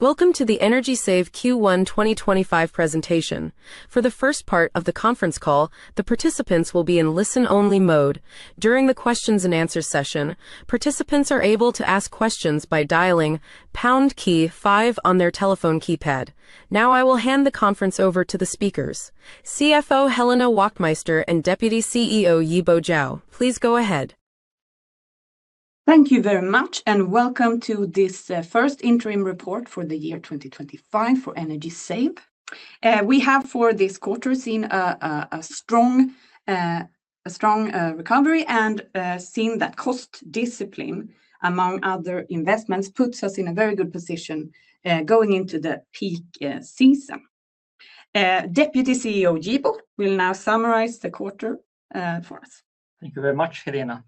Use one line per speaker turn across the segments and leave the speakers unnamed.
Welcome to the Energy Save Q1 2025 presentation. For the first part of the conference call, the participants will be in listen-only mode. During the questions and answers session, participants are able to ask questions by dialing pound key five on their telephone keypad. Now, I will hand the conference over to the speakers: CFO Helena Wachtmeister and Deputy CEO Yibo Zhao. Please go ahead.
Thank you very much, and welcome to this first interim report for the year 2025 for Energy Save. We have, for this quarter, seen a strong recovery, and seeing that cost discipline, among other investments, puts us in a very good position going into the peak season. Deputy CEO Yibo will now summarize the quarter for us.
Thank you very much, Helena.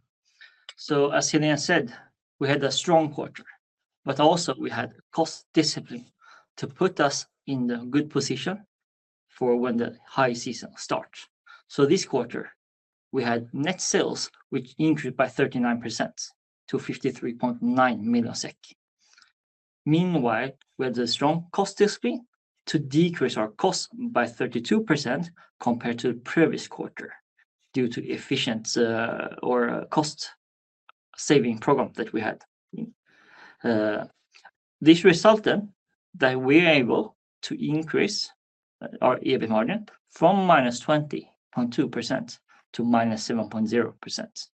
As Helena said, we had a strong quarter, but also we had cost discipline to put us in the good position for when the high season starts. This quarter, we had net sales, which increased by 39% to 53.9 million SEK. Meanwhile, we had a strong cost discipline to decrease our cost by 32% compared to the previous quarter due to the efficient cost-saving program that we had. This resulted that we were able to increase our EBIT margin from -20.2% to -7.0%.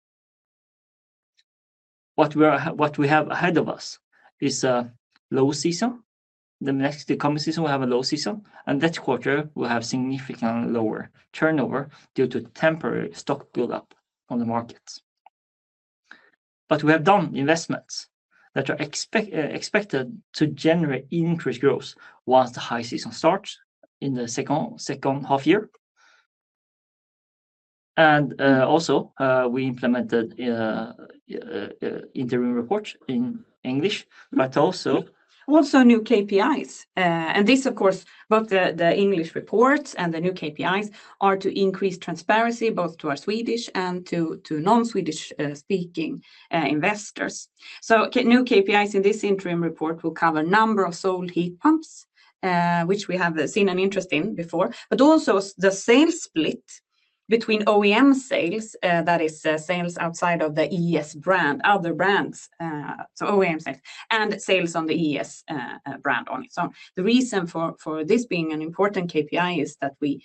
What we have ahead of us is a low season. The next coming season, we have a low season, and this quarter, we will have significantly lower turnover due to temporary stock build-up on the markets. We have done investments that are expected to generate increased growth once the high season starts in the second half year. We implemented interim reports in English, but also...
Also new KPIs. This, of course, both the English reports and the new KPIs are to increase transparency both to our Swedish and to non-Swedish-speaking investors. New KPIs in this interim report will cover a number of solar heat pumps, which we have seen an interest in before, but also the sales split between OEM sales, that is, sales outside of the ES brand, other brands, so OEM sales, and sales on the ES brand only. The reason for this being an important KPI is that we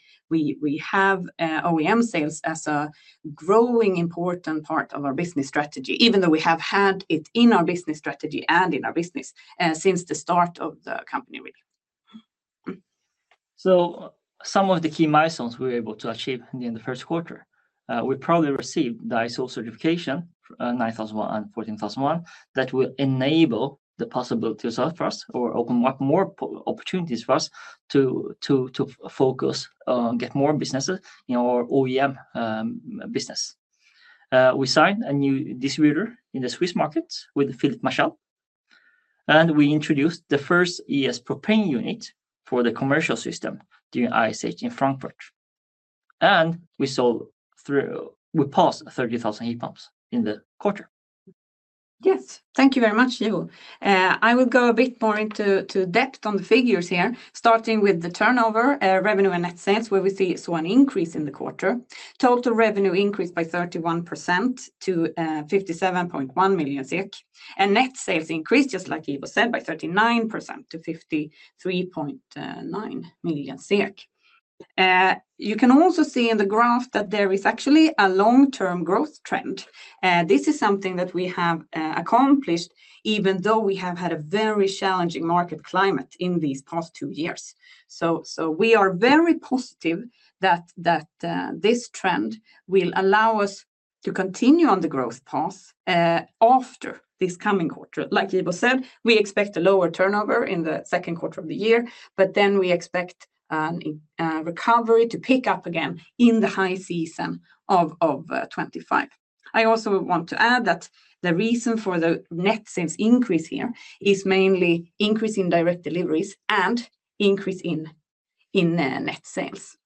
have OEM sales as a growing important part of our business strategy, even though we have had it in our business strategy and in our business since the start of the company, really.
Some of the key milestones we were able to achieve in the first quarter, we probably received the ISO 9001 and 14001 certification that will enable the possibilities for us, or open up more opportunities for us to focus on getting more businesses in our OEM business. We signed a new distributor in the Swiss market with Philippe Michel, and we introduced the first ES propane unit for the commercial system during ISH in Frankfurt. We sold, we passed 30,000 heat pumps in the quarter.
Yes, thank you very much, Yibo. I will go a bit more into depth on the figures here, starting with the turnover, revenue, and net sales, where we see an increase in the quarter. Total revenue increased by 31% to 57.1 million SEK, and net sales increased, just like Yibo said, by 39% to 53.9 million SEK. You can also see in the graph that there is actually a long-term growth trend. This is something that we have accomplished, even though we have had a very challenging market climate in these past two years. We are very positive that this trend will allow us to continue on the growth path after this coming quarter. Like Yibo said, we expect a lower turnover in the second quarter of the year, but then we expect a recovery to pick up again in the high season of 2025. I also want to add that the reason for the net sales increase here is mainly an increase in direct deliveries and an increase in net sales.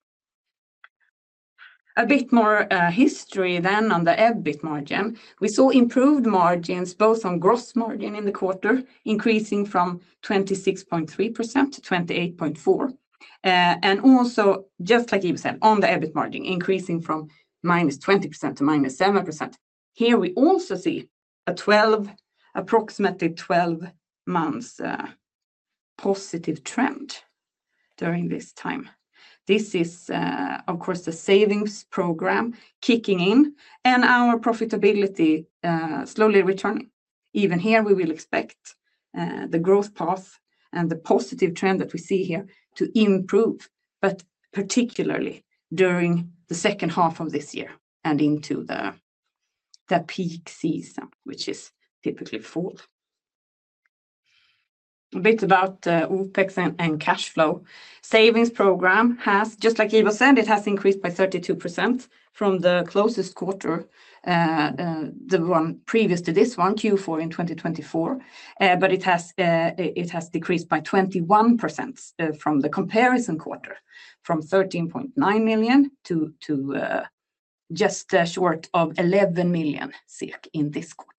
A bit more history then on the EBIT margin. We saw improved margins both on gross margin in the quarter, increasing from 26.3% to 28.4%. Also, just like Yibo said, on the EBIT margin, increasing from -20% to -7%. Here, we also see a 12, approximately 12 months' positive trend during this time. This is, of course, the savings program kicking in and our profitability slowly returning. Even here, we will expect the growth path and the positive trend that we see here to improve, particularly during the second half of this year and into the peak season, which is typically fall. A bit about OpEx and cash flow. The savings program has, just like Yibo said, it has increased by 32% from the closest quarter, the one previous to this one, Q4 in 2024, but it has decreased by 21% from the comparison quarter, from 13.9 million to just short of 11 million in this quarter.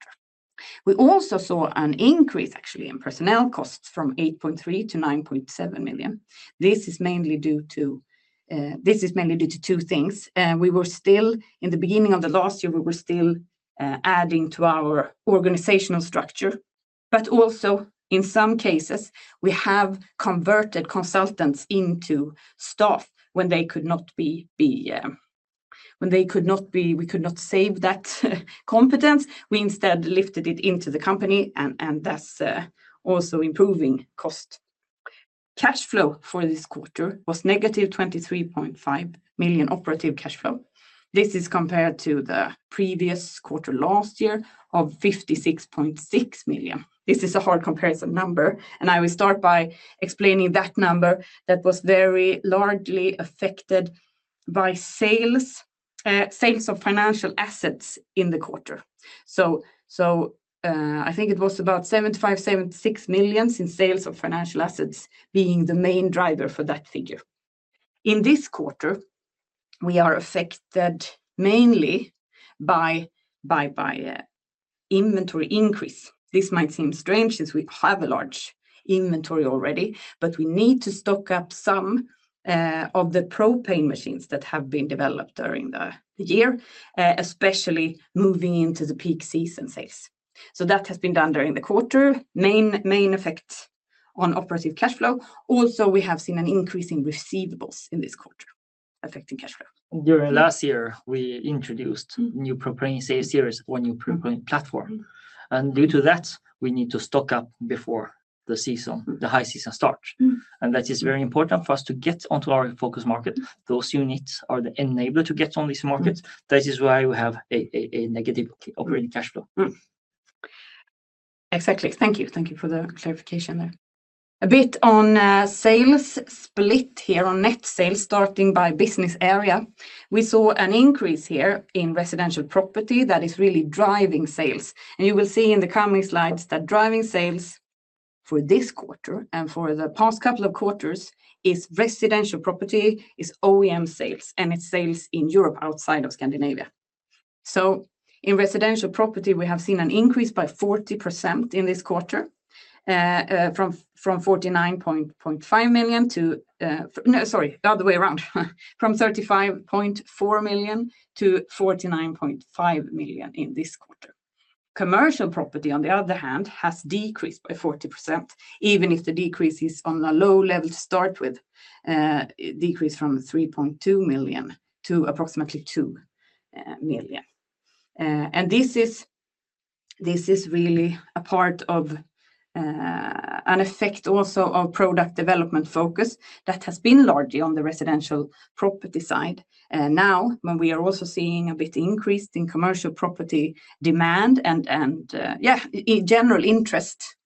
We also saw an increase, actually, in personnel costs from 8.3 million to 9.7 million. This is mainly due to two things. We were still, in the beginning of the last year, adding to our organizational structure, but also, in some cases, we have converted consultants into staff when they could not be, we could not save that competence. We instead lifted it into the company, and that's also improving cost. Cash flow for this quarter was -23.5 million operative cash flow. This is compared to the previous quarter last year of 56.6 million. This is a hard comparison number, and I will start by explaining that number that was very largely affected by sales, sales of financial assets in the quarter. I think it was about 75 million-76 million in sales of financial assets being the main driver for that figure. In this quarter, we are affected mainly by inventory increase. This might seem strange since we have a large inventory already, but we need to stock up some of the propane machines that have been developed during the year, especially moving into the peak season sales. That has been done during the quarter, main effect on operative cash flow. Also, we have seen an increase in receivables in this quarter affecting cash flow.
During last year, we introduced a new propane sales series for a new propane platform. Due to that, we need to stock up before the high season starts. That is very important for us to get onto our focus market. Those units are the enabler to get on this market. That is why we have a negative operating cash flow.
Exactly. Thank you. Thank you for the clarification there. A bit on sales split here on net sales, starting by business area. We saw an increase here in residential property that is really driving sales. You will see in the coming slides that driving sales for this quarter and for the past couple of quarters is residential property, is OEM sales, and it is sales in Europe outside of Scandinavia. In residential property, we have seen an increase by 40% in this quarter, from 35.4 million to 49.5 million in this quarter. Commercial property, on the other hand, has decreased by 40%, even if the decrease is on a low level to start with, decreased from 3.2 million to approximately 2 million. This is really a part of an effect also of product development focus that has been largely on the residential property side. Now, when we are also seeing a bit increased in commercial property demand and, yeah, in general interest,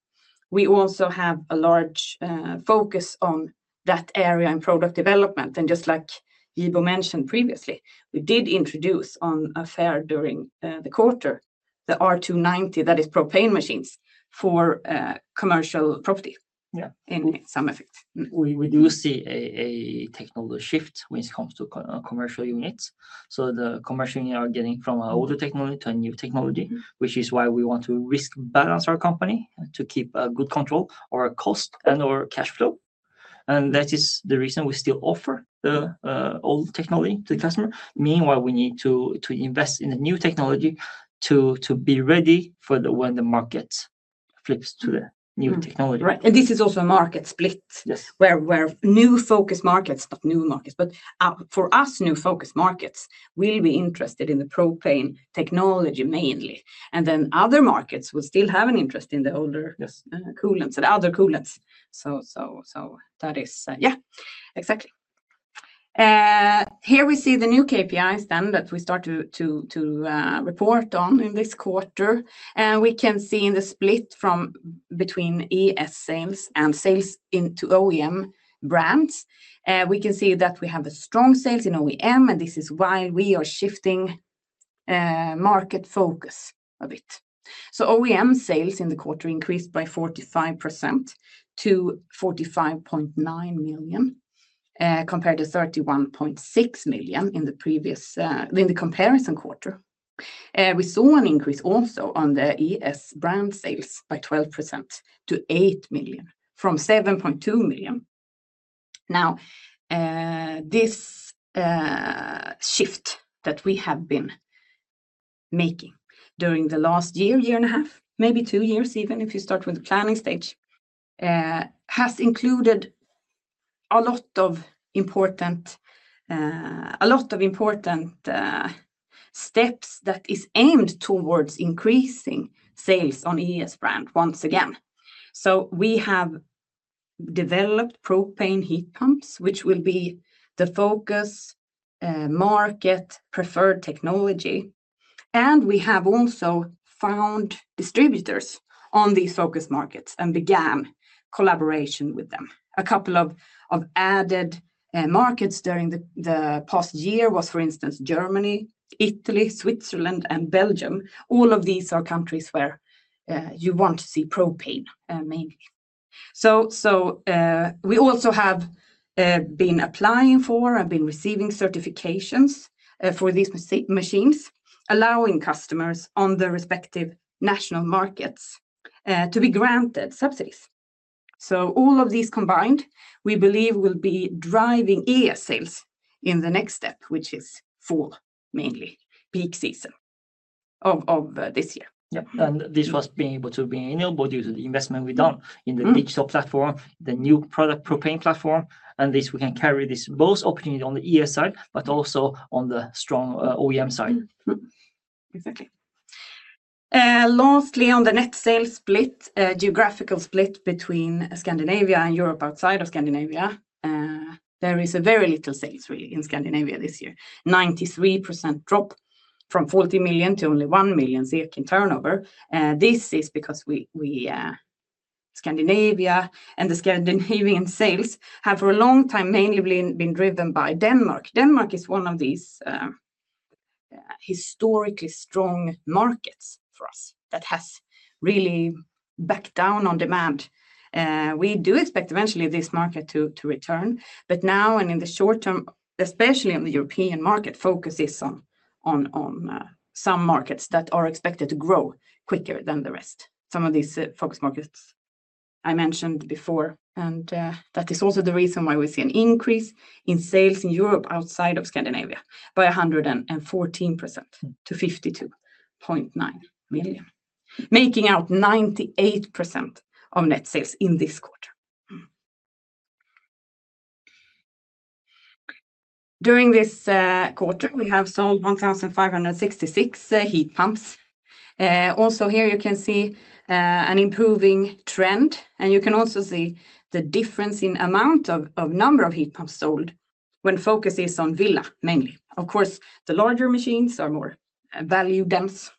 we also have a large focus on that area in product development. Just like Yibo mentioned previously, we did introduce on a fair during the quarter the R290, that is propane machines for commercial property in some effect.
We do see a technology shift when it comes to commercial units. The commercial units are getting from an older technology to a new technology, which is why we want to risk balance our company to keep good control over cost and/or cash flow. That is the reason we still offer the old technology to the customer. Meanwhile, we need to invest in the new technology to be ready for when the market flips to the new technology.
Right. This is also a market split where new focus markets, not new markets, but for us, new focus markets will be interested in the propane technology mainly. Other markets will still have an interest in the older coolants, the other coolants. That is, yeah, exactly. Here we see the new KPIs then that we start to report on in this quarter. We can see in the split between ES sales and sales into OEM brands, we can see that we have strong sales in OEM, and this is why we are shifting market focus a bit. OEM sales in the quarter increased by 45% to 45.9 million compared to 31.6 million in the previous, in the comparison quarter. We saw an increase also on the ES brand sales by 12% to 8 million from 7.2 million. Now, this shift that we have been making during the last year, year and a half, maybe two years even, if you start with the planning stage, has included a lot of important, a lot of important steps that are aimed towards increasing sales on ES brand once again. We have developed propane heat pumps, which will be the focus market preferred technology. We have also found distributors on these focus markets and began collaboration with them. A couple of added markets during the past year was, for instance, Germany, Italy, Switzerland, and Belgium. All of these are countries where you want to see propane mainly. We also have been applying for and been receiving certifications for these machines, allowing customers on the respective national markets to be granted subsidies. All of these combined, we believe will be driving ES sales in the next step, which is fall, mainly peak season of this year.
Yeah. This was being able to be enabled due to the investment we've done in the digital platform, the new product propane platform. This, we can carry this both opportunity on the ES side, but also on the strong OEM side.
Exactly. Lastly, on the net sales split, geographical split between Scandinavia and Europe outside of Scandinavia, there is very little sales really in Scandinavia this year, 93% drop from 40 million to only 1 million in turnover. This is because Scandinavia and the Scandinavian sales have for a long time mainly been driven by Denmark. Denmark is one of these historically strong markets for us that has really backed down on demand. We do expect eventually this market to return, but now and in the short term, especially on the European market, focus is on some markets that are expected to grow quicker than the rest. Some of these focus markets I mentioned before, and that is also the reason why we see an increase in sales in Europe outside of Scandinavia by 114% to 52.9 million, making out 98% of net sales in this quarter. During this quarter, we have sold 1,566 heat pumps. Also, here you can see an improving trend, and you can also see the difference in amount of number of heat pumps sold when focus is on villa mainly. Of course, the larger machines are more value-dense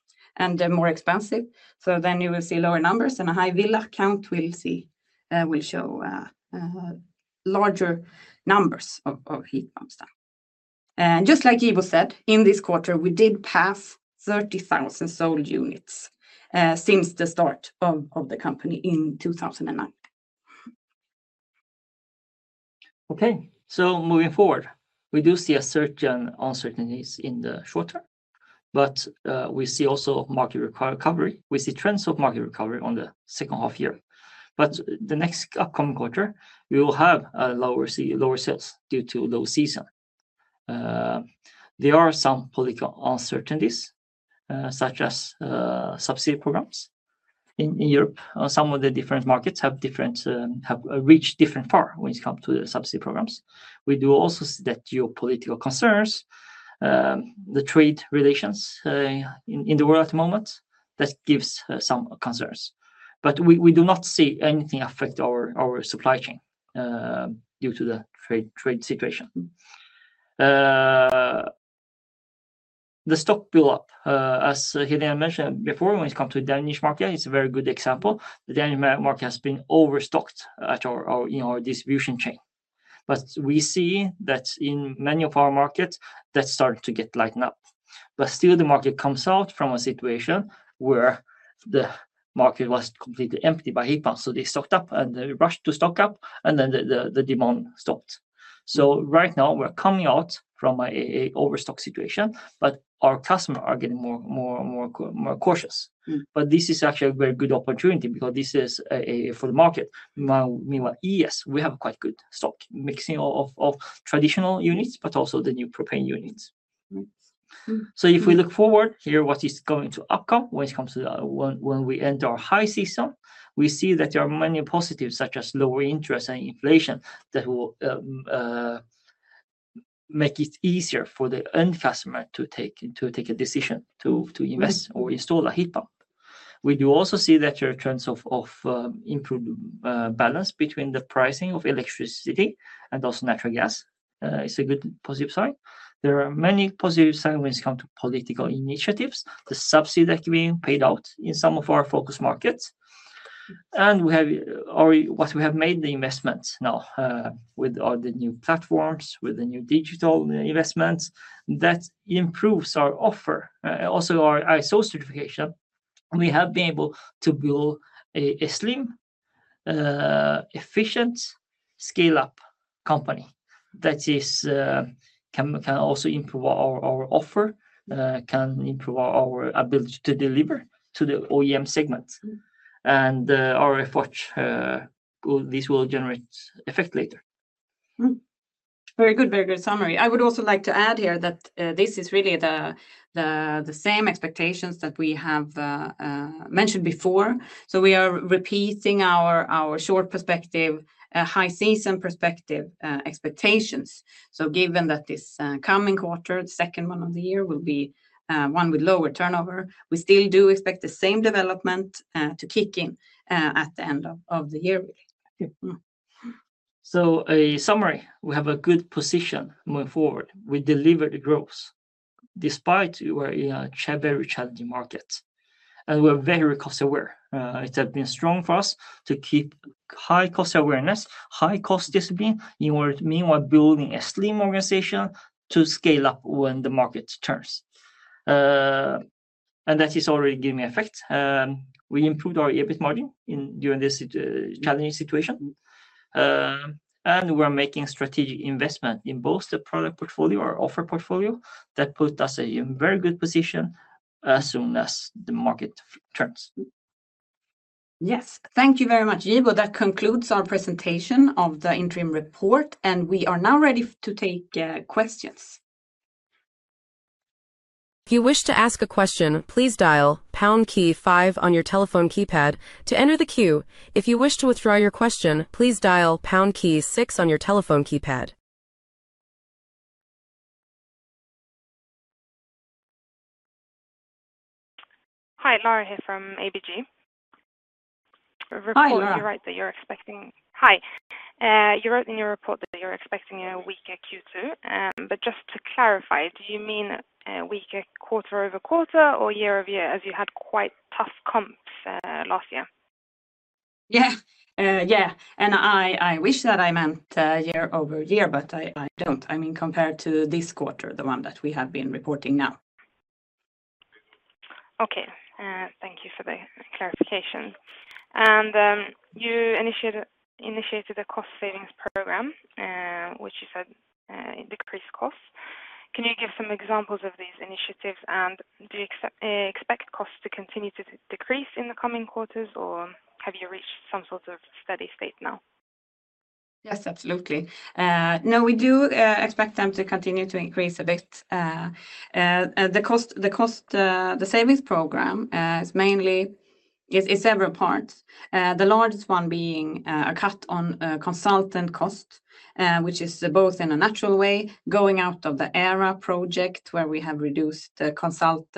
and more expensive. You will see lower numbers, and a high villa count will show larger numbers of heat pumps. Just like Yibo said, in this quarter, we did pass 30,000 sold units since the start of the company in 2009.
Okay. Moving forward, we do see a surge in uncertainties in the short term, but we see also market recovery. We see trends of market recovery on the second half year. The next upcoming quarter, we will have lower sales due to low season. There are some political uncertainties, such as subsidy programs in Europe. Some of the different markets have reached different far when it comes to the subsidy programs. We do also see that geopolitical concerns, the trade relations in the world at the moment, that gives some concerns. We do not see anything affect our supply chain due to the trade situation. The stock build-up, as Helena mentioned before, when it comes to the Danish market, is a very good example. The Danish market has been overstocked in our distribution chain. We see that in many of our markets, that's started to get lightened up. Still, the market comes out from a situation where the market was completely emptied by heat pumps. They stocked up and they rushed to stock up, and then the demand stopped. Right now, we're coming out from an overstock situation, but our customers are getting more cautious. This is actually a very good opportunity because this is for the market. Meanwhile, ES, we have quite good stock, mixing of traditional units, but also the new propane units. If we look forward here, what is going to upcome when it comes to when we enter our high season, we see that there are many positives, such as lower interest and inflation that will make it easier for the end customer to take a decision to invest or install a heat pump. We do also see that there are trends of improved balance between the pricing of electricity and also natural gas. It's a good positive sign. There are many positive signs when it comes to political initiatives, the subsidy that is being paid out in some of our focus markets. What we have made the investments now with all the new platforms, with the new digital investments, that improves our offer. Also, our ISO certification, we have been able to build a slim, efficient scale-up company that can also improve our offer, can improve our ability to deliver to the OEM segment. Our effort, this will generate effect later.
Very good, very good summary. I would also like to add here that this is really the same expectations that we have mentioned before. We are repeating our short perspective, high season perspective expectations. Given that this coming quarter, the second one of the year, will be one with lower turnover, we still do expect the same development to kick in at the end of the year.
A summary, we have a good position moving forward. We delivered the growth despite we're in a very challenging market. We're very cost-aware. It has been strong for us to keep high cost awareness, high cost discipline in order to, meanwhile, build a slim organization to scale up when the market turns. That is already giving effect. We improved our EBIT margin during this challenging situation. We're making strategic investment in both the product portfolio, our offer portfolio, that puts us in a very good position as soon as the market turns.
Yes. Thank you very much, Yibo. That concludes our presentation of the interim report, and we are now ready to take questions.
If you wish to ask a question, please dial pound key five on your telephone keypad to enter the queue. If you wish to withdraw your question, please dial pound key six on your telephone keypad. Hi, Laura here from ABG.
Hi, Laura. You wrote that you're expecting. Hi. You wrote in your report that you're expecting a weaker Q2. Just to clarify, do you mean a weaker quarter-over-quarter or year-over-year as you had quite tough comps last year? Yeah. I wish that I meant year-over-year, but I don't. I mean, compared to this quarter, the one that we have been reporting now. Okay. Thank you for the clarification. You initiated a cost savings program, which you said decreased costs. Can you give some examples of these initiatives, and do you expect costs to continue to decrease in the coming quarters, or have you reached some sort of steady state now? Yes, absolutely. No, we do expect them to continue to increase a bit. The cost, the savings program is mainly, it's several parts. The largest one being a cut on consultant cost, which is both in a natural way, going out of the Aira project where we have reduced consultant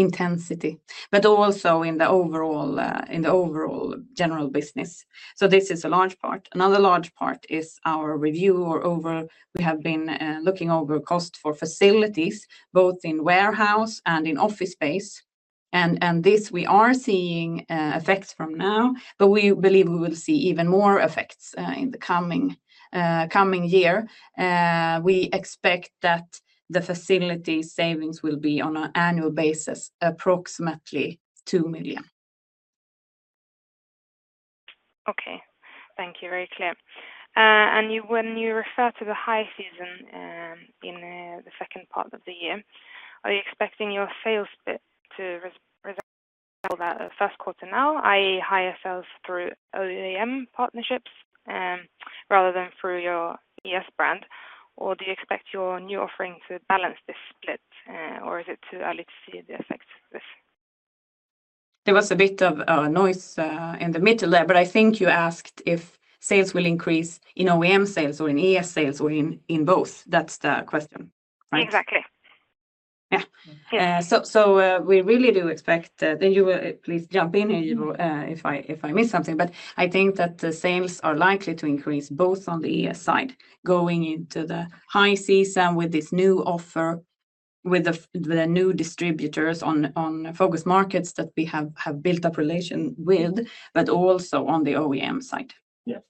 intensity, but also in the overall general business. This is a large part. Another large part is our review or over we have been looking over cost for facilities, both in warehouse and in office space. This, we are seeing effects from now, but we believe we will see even more effects in the coming year. We expect that the facility savings will be on an annual basis, approximately SEK 2 million. Okay. Thank you. Very clear. When you refer to the high season in the second part of the year, are you expecting your sales to resolve that first quarter now, i.e., higher sales through OEM partnerships rather than through your ES brand, or do you expect your new offering to balance this split, or is it too early to see the effects of this? There was a bit of noise in the middle there, but I think you asked if sales will increase in OEM sales or in ES sales or in both. That's the question, right? Exactly. Yeah. So, we really do expect that you will please jump in if I miss something, but I think that the sales are likely to increase both on the ES side going into the high season with this new offer, with the new distributors on focus markets that we have built up relation with, but also on the OEM side.
Yes.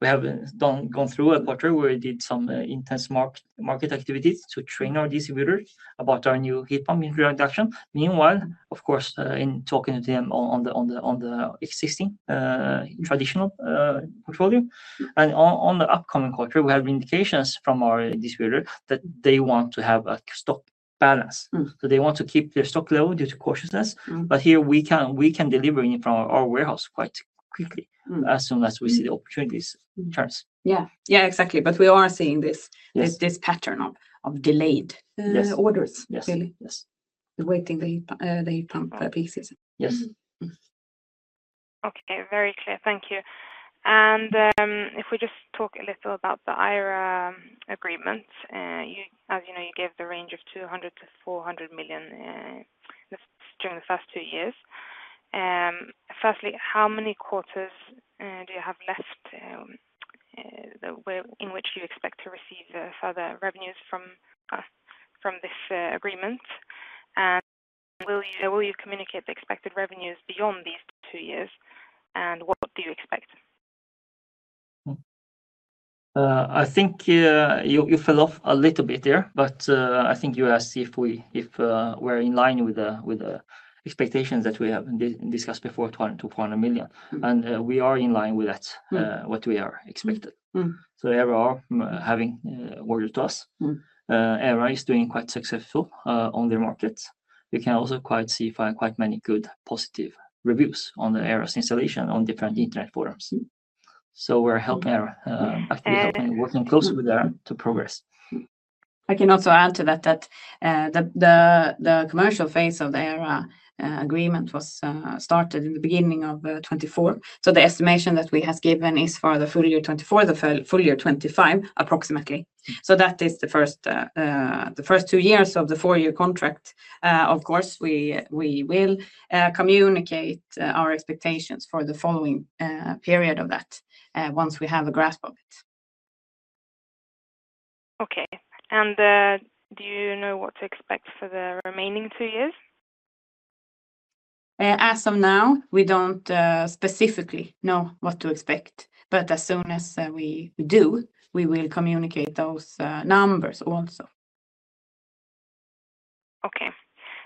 We have gone through a quarter where we did some intense market activities to train our distributors about our new heat pump introduction. Meanwhile, of course, in talking to them on the existing traditional portfolio. In the upcoming quarter, we have indications from our distributor that they want to have a stock balance. They want to keep their stock low due to cautiousness. Here, we can deliver from our warehouse quite quickly as soon as we see the opportunities chance.
Yeah. Yeah, exactly. We are seeing this pattern of delayed orders, really. The waiting, the heat pump pieces. Yes. Okay. Very clear. Thank you. If we just talk a little about the Aira agreement, as you know, you gave the range of 200 million-400 million during the first two years. Firstly, how many quarters do you have left in which you expect to receive further revenues from this agreement? Will you communicate the expected revenues beyond these two years, and what do you expect?
I think you fell off a little bit there, but I think you will see if we're in line with the expectations that we have discussed before to 200 million. We are in line with that, what we are expected. Aira are having ordered to us. Aira is doing quite successful on their markets. We can also quite see quite many good positive reviews on the Aira's installation on different internet forums. We're helping Aira, actually helping working closely with Aira to progress.
I can also add to that that the commercial phase of the Aira agreement was started in the beginning of 2024. The estimation that we have given is for the full year 2024, the full year 2025, approximately. That is the first two years of the four-year contract. Of course, we will communicate our expectations for the following period of that once we have a grasp of it. Okay. Do you know what to expect for the remaining two years? As of now, we don't specifically know what to expect, but as soon as we do, we will communicate those numbers also. Okay.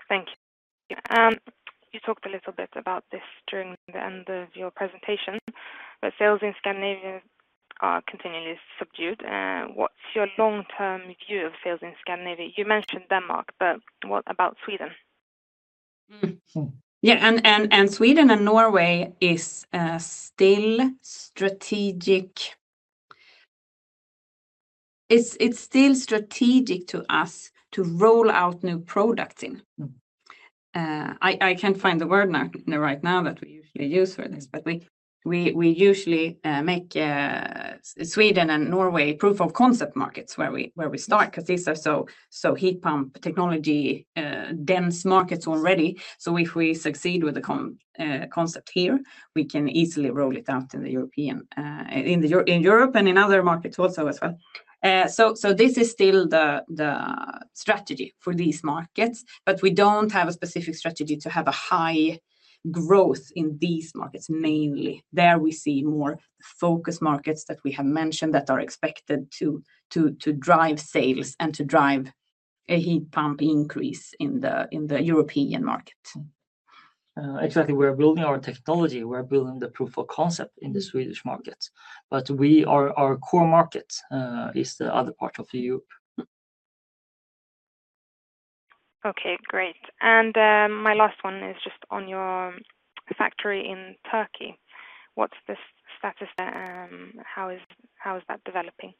Thank you. You talked a little bit about this during the end of your presentation, but sales in Scandinavia are continually subdued. What's your long-term view of sales in Scandinavia? You mentioned Denmark, but what about Sweden? Yeah. Sweden and Norway are still strategic. It's still strategic to us to roll out new products in. I can't find the word right now that we usually use for this, but we usually make Sweden and Norway proof-of-concept markets where we start because these are so heat pump technology dense markets already. If we succeed with the concept here, we can easily roll it out in Europe and in other markets also as well. This is still the strategy for these markets, but we don't have a specific strategy to have a high growth in these markets mainly. There we see more focus markets that we have mentioned that are expected to drive sales and to drive a heat pump increase in the European market.
Exactly. We're building our technology. We're building the proof of concept in the Swedish market. Our core market is the other part of Europe. Okay. Great. My last one is just on your factory in Turkey. What's the status? How is that developing?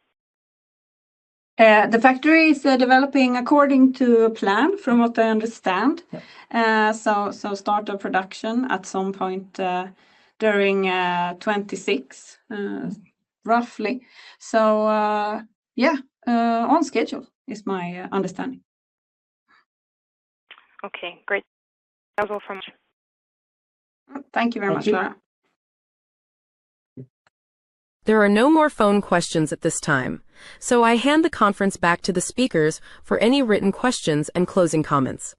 The factory is developing according to a plan, from what I understand. Start of production at some point during 2026, roughly. Yeah, on schedule is my understanding. Okay. Great. That was all from me. Thank you very much, Laura.
There are no more phone questions at this time. I hand the conference back to the speakers for any written questions and closing comments.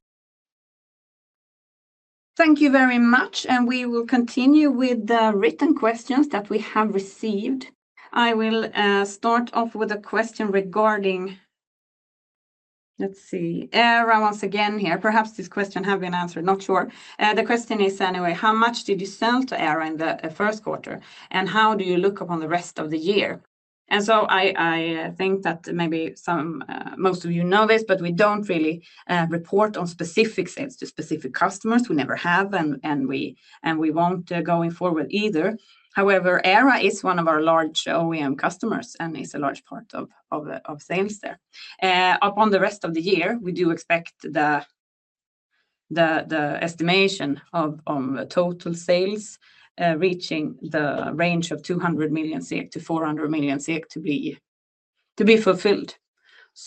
Thank you very much. We will continue with the written questions that we have received. I will start off with a question regarding, let's see, Aira once again here. Perhaps this question has been answered, not sure. The question is anyway, how much did you sell to Aira in the first quarter, and how do you look upon the rest of the year? I think that maybe most of you know this, but we do not really report on specific sales to specific customers. We never have, and we will not going forward either. However, Aira is one of our large OEM customers and is a large part of sales there. Upon the rest of the year, we do expect the estimation of total sales reaching the range of 200 million-400 million SEK to be fulfilled.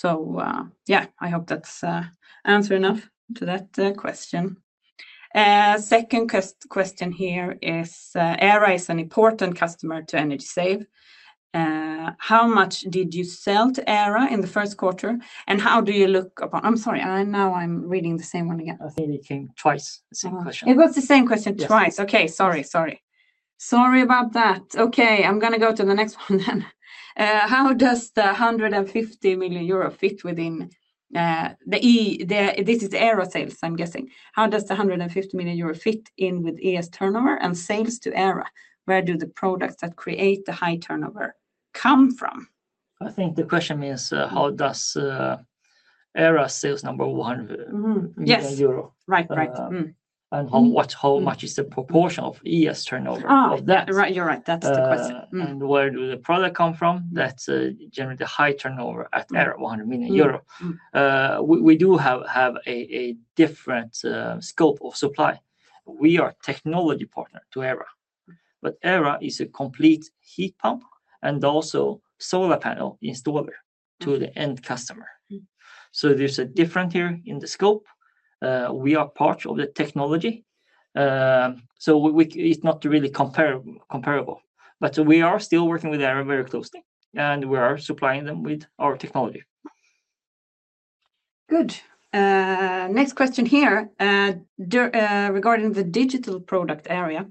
I hope that is answer enough to that question. Second question here is, Aira is an important customer to Energy Save. How much did you sell to Aira in the first quarter, and how do you look upon—I'm sorry, now I'm reading the same one again.
Anything twice, same question.
It was the same question twice. Okay. Sorry, sorry. Sorry about that. Okay. I'm going to go to the next one then. How does the 150 million euro fit within the- This is Aira sales, I'm guessing. How does the 150 million euro fit in with ES turnover and sales to Aira? Where do the products that create the high turnover come from?
I think the question is, how does Aira sales number 100 million euro?
Yes. Right, right.
How much is the proportion of ES turnover of that?
You're right. That's the question.
Where do the products come from that generate the high turnover at Aira, 100 million euro? We do have a different scope of supply. We are a technology partner to Aira, but Aira is a complete heat pump and also solar panel installer to the end customer. There is a difference here in the scope. We are part of the technology. It is not really comparable, but we are still working with Aira very closely, and we are supplying them with our technology.
Good. Next question here regarding the digital product area.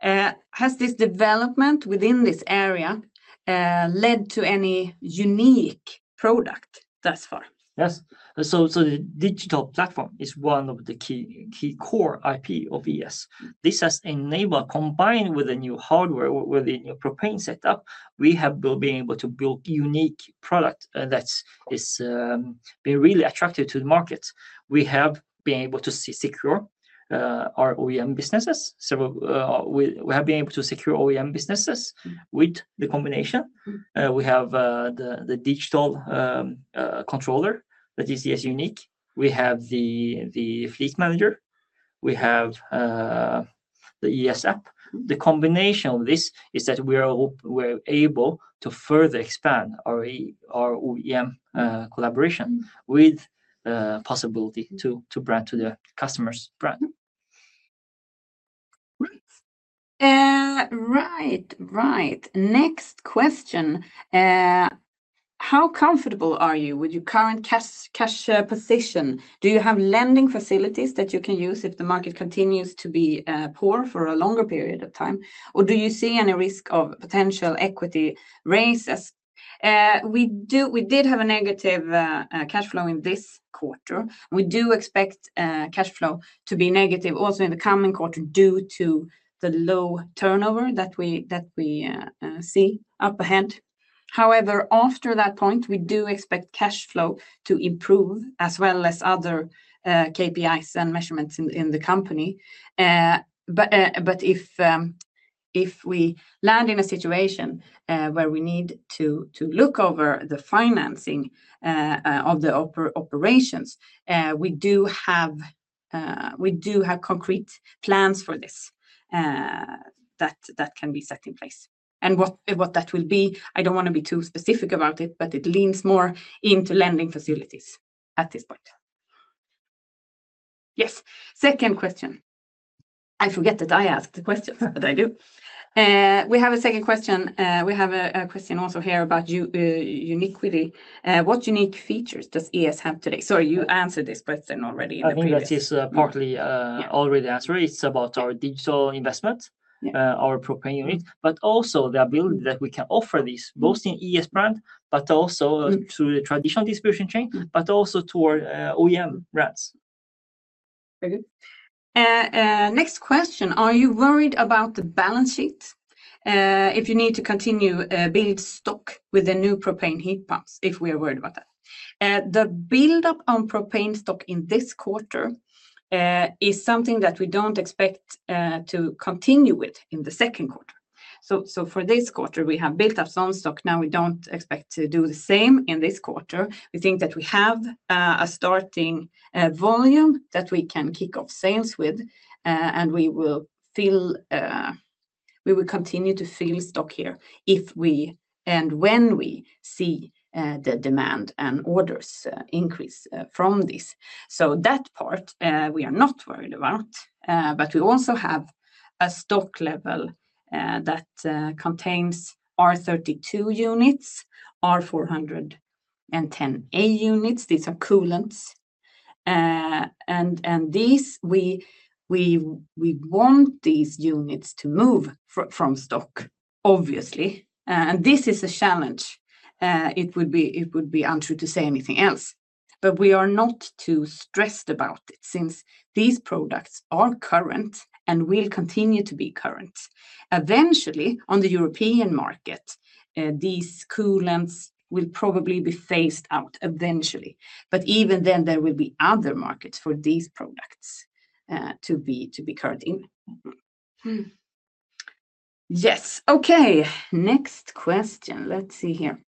Has this development within this area led to any unique product thus far?
Yes. The digital platform is one of the key core IP of ES. This has enabled, combined with the new hardware, with the new propane setup, we have been able to build unique product that has been really attractive to the market. We have been able to secure our OEM businesses. We have been able to secure OEM businesses with the combination. We have the digital controller that is unique. We have the fleet manager. We have the ES app. The combination of this is that we are able to further expand our OEM collaboration with the possibility to brand to the customer's brand.
Right. Right. Next question. How comfortable are you with your current cash position? Do you have lending facilities that you can use if the market continues to be poor for a longer period of time, or do you see any risk of potential equity raises? We did have a negative cash flow in this quarter. We do expect cash flow to be negative also in the coming quarter due to the low turnover that we see up ahead. However, after that point, we do expect cash flow to improve as well as other KPIs and measurements in the company. If we land in a situation where we need to look over the financing of the operations, we do have concrete plans for this that can be set in place. What that will be, I don't want to be too specific about it, but it leans more into lending facilities at this point. Yes. Second question. I forget that I asked the question, but I do. We have a second question. We have a question also here about uniquity. What unique features does ES have today? Sorry, you answered this question already in the previous.
I think that is partly already answered. It's about our digital investment, our propane unit, but also the ability that we can offer this both in ES brand, but also through the traditional distribution chain, but also toward OEM brands.
Very good. Next question. Are you worried about the balance sheet if you need to continue to build stock with the new propane heat pumps if we are worried about that? The buildup on propane stock in this quarter is something that we do not expect to continue with in the second quarter. For this quarter, we have built up some stock. Now, we do not expect to do the same in this quarter. We think that we have a starting volume that we can kick off sales with, and we will continue to fill stock here if and when we see the demand and orders increase from this. That part, we are not worried about, but we also have a stock level that contains R32 units, R410A units. These are coolants. We want these units to move from stock, obviously. This is a challenge. It would be untrue to say anything else, but we are not too stressed about it since these products are current and will continue to be current. Eventually, on the European market, these coolants will probably be phased out eventually. Even then, there will be other markets for these products to be current in. Yes. Okay. Next question. Let's see here.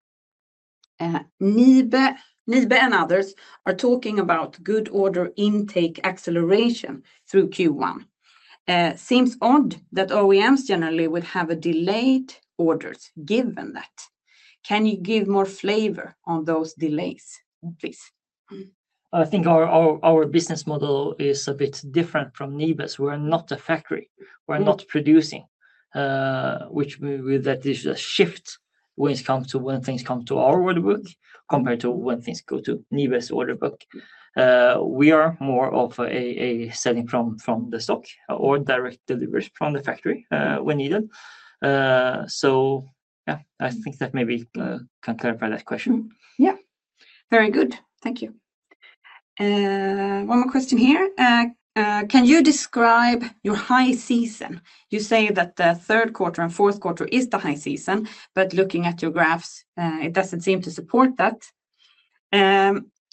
NIBE and others are talking about good order intake acceleration through Q1. Seems odd that OEMs generally would have delayed orders given that. Can you give more flavor on those delays, please?
I think our business model is a bit different from NIBE's. We're not a factory. We're not producing, which means that there's a shift when things come to our order book compared to when things go to NIBE's order book. We are more of a selling from the stock or direct deliveries from the factory when needed. Yeah, I think that maybe you can clarify that question.
Yeah. Very good. Thank you. One more question here. Can you describe your high season? You say that the third quarter and fourth quarter is the high season, but looking at your graphs, it does not seem to support that.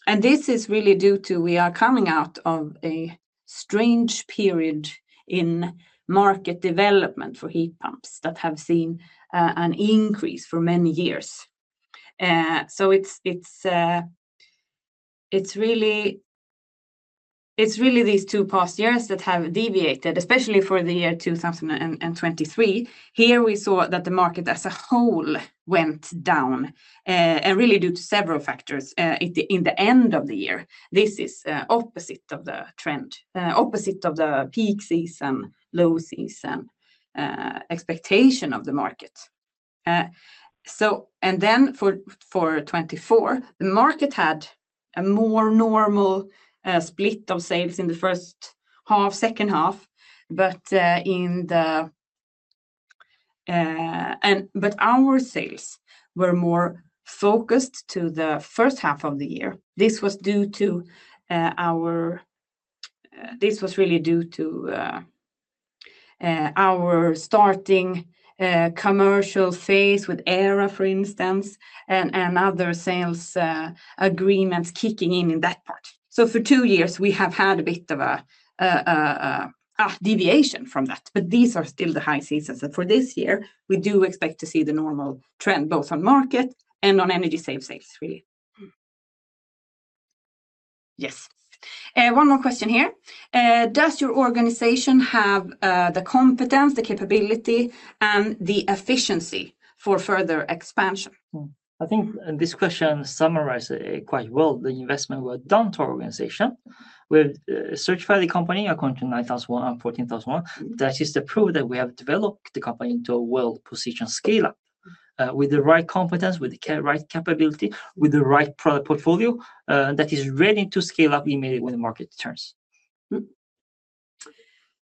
This is really due to we are coming out of a strange period in market development for heat pumps that have seen an increase for many years. It is really these two past years that have deviated, especially for the year 2023. Here, we saw that the market as a whole went down and really due to several factors in the end of the year. This is opposite of the trend, opposite of the peak season, low season expectation of the market. For 2024, the market had a more normal split of sales in the first half, second half, but our sales were more focused to the first half of the year. This was really due to our starting commercial phase with Aira, for instance, and other sales agreements kicking in in that part. For two years, we have had a bit of a deviation from that, but these are still the high seasons. For this year, we do expect to see the normal trend both on market and on Energy Save sales, really. Yes. One more question here. Does your organization have the competence, the capability, and the efficiency for further expansion?
I think this question summarizes quite well the investment we've done to our organization. We've certified the company according to ISO 9001 and ISO 14001. That is the proof that we have developed the company into a well-positioned scale-up with the right competence, with the right capability, with the right product portfolio that is ready to scale up immediately when the market turns.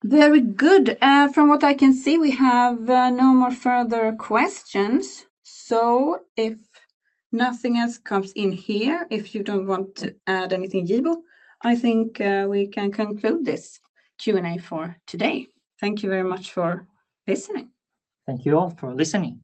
Very good. From what I can see, we have no more further questions. If nothing else comes in here, if you do not want to add anything, Yibo, I think we can conclude this Q&A for today. Thank you very much for listening.
Thank you all for listening.